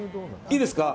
いいですか。